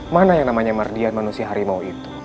mana yang namanya mardian manusia harimau itu